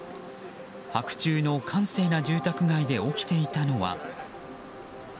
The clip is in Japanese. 白昼の閑静な住宅街で起きていたのは。